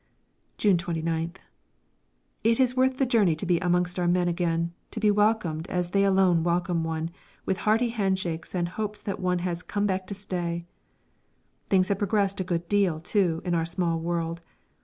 June 29th. It is worth the journey to be amongst our men again, to be welcomed as they alone welcome one, with hearty handshakes and hopes that one has "come back to stay." Things have progressed a good deal, too, in our small world.